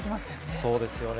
そうですよね。